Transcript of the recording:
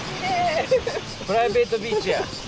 プライベートビーチや。